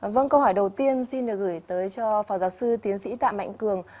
vâng câu hỏi đầu tiên xin được gửi tới cho phó giáo sư tiến sĩ tạ mạnh cường